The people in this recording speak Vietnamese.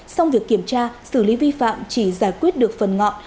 xong việc kiểm tra xử lý vi phạm chỉ giải quyết được phần ngọt